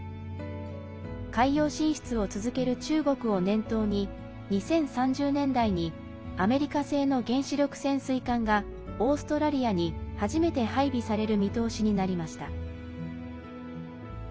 海洋進出を続ける中国を念頭に２０３０年代にアメリカ製の原子力潜水艦がオーストラリアに初めて配備される見通しになりました。